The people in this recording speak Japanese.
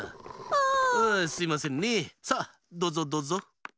あすいませんねさあどぞどぞ。